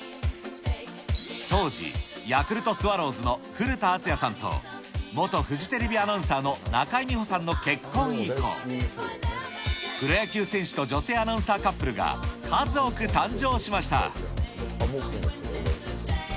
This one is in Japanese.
当時、ヤクルトスワローズの古田敦也さんと、元フジテレビアナウンサーの中井美穂さんの結婚以降、プロ野球選手と女性アナウンサーカップルが数多く誕生しました。